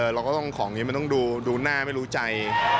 เราก็ต้องของนี้มันต้องดูหน้าไม่รู้ใจ